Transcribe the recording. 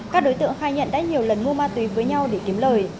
các đối tượng khai nhận đã nhiều lần mua ma túy với nhau để kiếm lời